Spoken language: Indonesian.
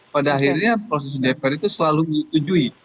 pada akhirnya proses dpr itu selalu menyetujui